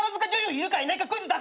いるかいないかクイズ出せ。